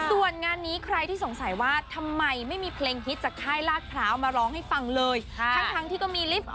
ส่วนงานนี้ใครที่สงสัยว่าทำไมไม่มีเพลงฮิตจากค่ายลากพร้าวมาร้องให้ฟังเลยค่ะทั้งทั้งที่ก็มีลิฟท์